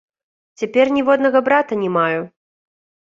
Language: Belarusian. Цяпер ніводнага брата не маю.